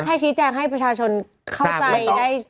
ชี้แจงให้ประชาชนเข้าใจได้